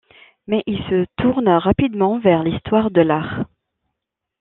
Mais il se tourne rapidement vers l'histoire de l'art.